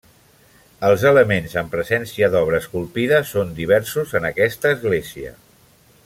Els elements amb presència d'obra esculpida són diversos, en aquesta església.